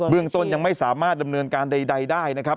เรื่องต้นยังไม่สามารถดำเนินการใดได้นะครับ